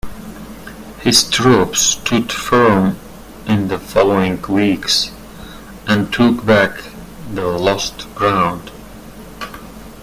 His troops stood firm in the following weeks and took back the lost ground.